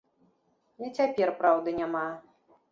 І цяпер праўды няма.